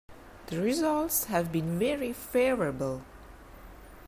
The results have been very favorable.